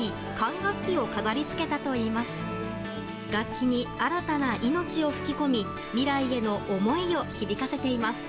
楽器に新たな命を吹き込み未来への思いを響かせています。